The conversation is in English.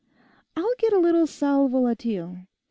'I'll get a little sal volatile.